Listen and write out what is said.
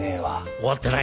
終わってない。